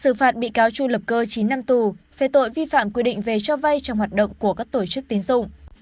xử phạt bị cáo chu lập cơ chín năm tù về tội vi phạm quy định về cho vay trong hoạt động của các tổ chức tín dụng